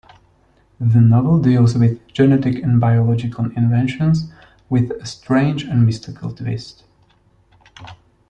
The novel deals with genetic and biological inventions with a strange and mystical twist.